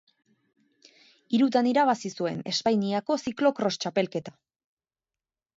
Hirutan irabazi zuen Espainiako Ziklo-kros Txapelketa.